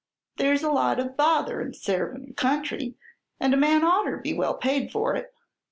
There's a lot of bother in servin' your country, and a man oughter be well paid for it.